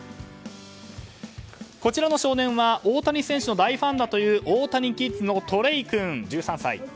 こちらの少年は大谷選手の大ファンだというオオタニキッズのトレイ君、１３歳。